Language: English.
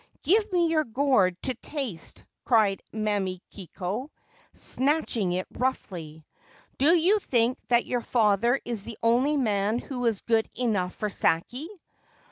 4 Give me your gourd to taste/ cried Mamikiko, snatching it roughly. * Do you think that your father is the only man who is good enough for sake